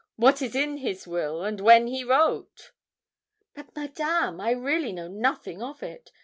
What is in his will, and when he wrote?' 'But, Madame, I really know nothing of it.